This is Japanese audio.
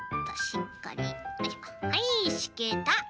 はいしけた。